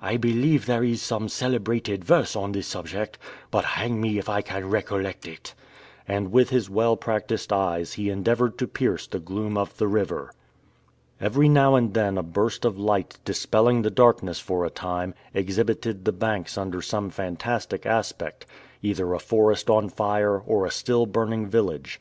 I believe there is some celebrated verse on the subject, but hang me if I can recollect it!" And with his well practiced eyes he endeavored to pierce the gloom of the river. Every now and then a burst of light dispelling the darkness for a time, exhibited the banks under some fantastic aspect either a forest on fire, or a still burning village.